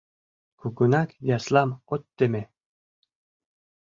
Кугунак яслам от теме.